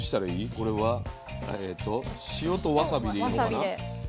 これは塩とわさびでいいのかな？